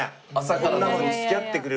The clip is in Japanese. こんなのに付き合ってくれる。